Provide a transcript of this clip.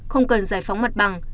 không cần giải phóng mặt bằng